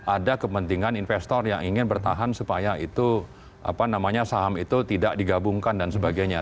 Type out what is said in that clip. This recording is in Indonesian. ada kepentingan investor yang ingin bertahan supaya saham itu tidak digabungkan dan sebagainya